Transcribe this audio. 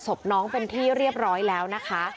ศพน้องเป็นที่เรียบร้อยแล้วนะคะ